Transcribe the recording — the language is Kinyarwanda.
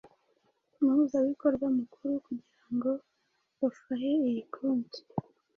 umuhuzabikorwa mukuru kugira ngo afahe iyi konti,